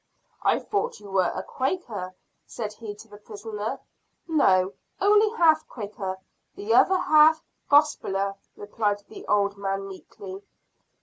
"I thought you were a Quaker," said he to the prisoner. "No, only half Quaker; the other half gospeller," replied the old man meekly.